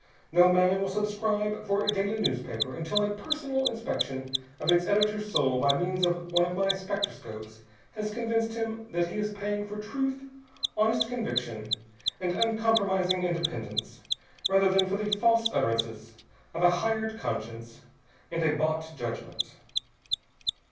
No man will subscribe for a daily newspaper until a personal inspection of its editor's soul by means of one of my spectroscopes has convinced him that he is paying for truth, honest conviction, and uncompromising independence, rather than for the false utterances of a hired conscience and a bought judgment.